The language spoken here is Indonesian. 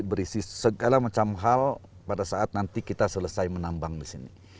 berisi segala macam hal pada saat nanti kita selesai menambang di sini